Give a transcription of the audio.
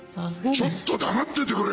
ちょっと黙っててくれ！